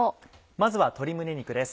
まずは鶏胸肉です。